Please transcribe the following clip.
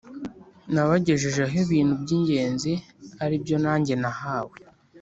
Nabagejejeho ibintu by ingenzi ari byo nanjye nahawe